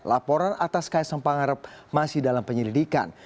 laporan atas kaisang pangarep masih dalam penyelidikan